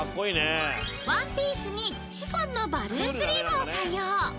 ［ワンピースにシフォンのバルーンスリーブを採用］